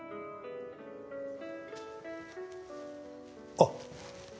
あっ。